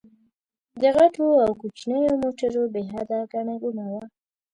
د غټو او کوچنيو موټرو بې حده ګڼه ګوڼه وه.